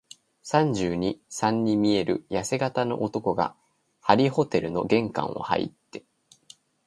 三十二、三に見えるやせ型の男が、張ホテルの玄関をはいって、